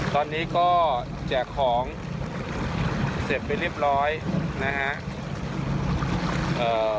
ตอนนี้ก็แจกของเสร็จไปเรียบร้อยนะฮะเอ่อ